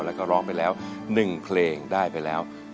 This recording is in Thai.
แล้วก็ร้องไปแล้ว๑เพลงได้ไปแล้ว